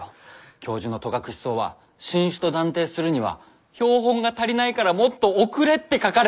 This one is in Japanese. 教授の戸隠草は新種と断定するには標本が足りないからもっと送れって書かれてた。